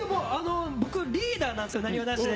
僕、リーダーなんですよ、なにわ男子で。